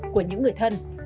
của những người thân